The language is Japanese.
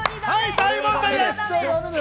大問題です。